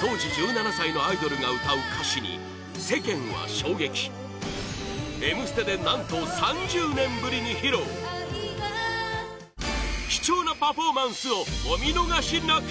当時１７歳のアイドルが歌う歌詞に、世間は衝撃「Ｍステ」で何と３０年ぶりに披露貴重なパフォーマンスをお見逃しなく！